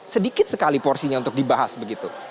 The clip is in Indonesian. sedikit sekali porsinya untuk dibahas begitu